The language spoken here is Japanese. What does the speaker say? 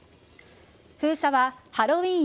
封鎖はハロウィーン